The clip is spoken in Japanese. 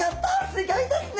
すギョいですね！